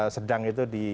sedang itu di